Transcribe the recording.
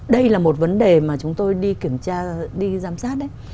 đây là một vấn đề mà chúng tôi đi kiểm tra đi giám sát đấy